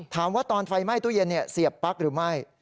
ตอนไฟไหม้ตู้เย็นเสียบปั๊กหรือไม่